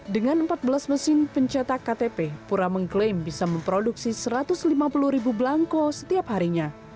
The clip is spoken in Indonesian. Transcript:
dengan empat belas mesin pencetak ktp pura mengklaim bisa memproduksi satu ratus lima puluh ribu belangko setiap harinya